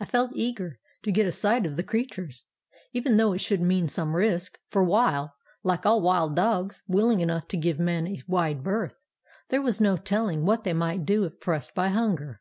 "I felt eager to get a sight of the creatures, even though it should mean some risk; for while, like all wild dogs, willing enough to give men a wide berth, there was no telling what they might do if pressed by hunger.